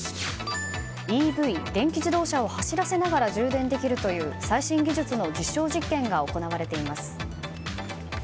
ＥＶ・電気自動車を走らせながら充電できるという最新技術の実証実験が行われています。